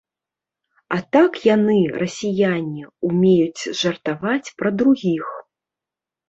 А так яны, расіяне, умеюць жартаваць пра другіх.